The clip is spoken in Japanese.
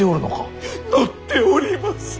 載っております。